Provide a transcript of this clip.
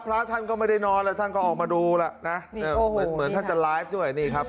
พระท่านก็ไม่ได้นอนแล้วท่านก็ออกมาดูแล้วนะเหมือนท่านจะไลฟ์ด้วยนี่ครับ